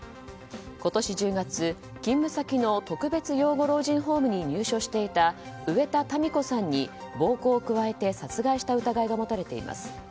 今年１０月、勤務先の特別養護老人ホームに入所していた植田タミ子さんに暴行を加えて殺害した疑いが持たれています。